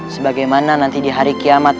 sebagaimana nanti di hari kiamat